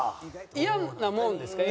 嫌なもんですか？